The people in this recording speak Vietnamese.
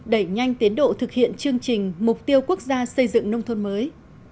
đẩy nhanh tiến độ thực hiện chương trình mục tiêu quốc gia xây dựng nông thôn mới